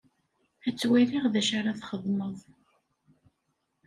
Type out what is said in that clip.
Ad twaliɣ d acu ara txedmeḍ.